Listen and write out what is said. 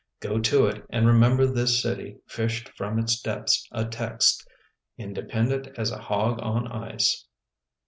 Go to it and remember this city fished from its depths a text: " independent as a hog on ice."